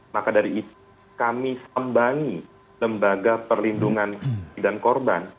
maka dari itu kami sambangi lembaga perlindungan dan korban